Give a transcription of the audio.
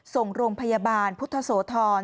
ส่งโรงพยาบาลพุทธโสธร